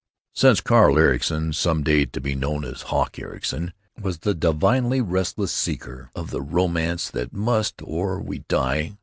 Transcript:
Since Carl Ericson (some day to be known as "Hawk" Ericson) was the divinely restless seeker of the romance that must—or we die!